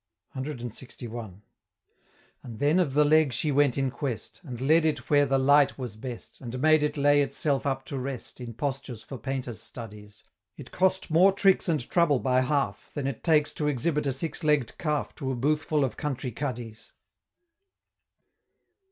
CLXI. And then of the Leg she went in quest; And led it where the light was best; And made it lay itself up to rest In postures for painter's studies: It cost more tricks and trouble by half, Than it takes to exhibit a six legg'd Calf To a boothful of country Cuddies.